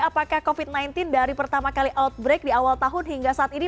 apakah covid sembilan belas dari pertama kali outbreak di awal tahun hingga saat ini